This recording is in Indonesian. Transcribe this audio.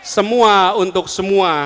semua untuk semua